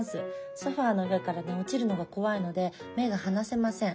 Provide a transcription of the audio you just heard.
ソファーの上から落ちるのが怖いので目が離せません。